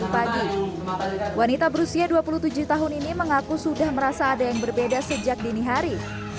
pesan ini sembilan sepuluh sebelas dua belas